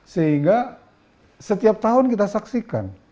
sehingga setiap tahun kita saksikan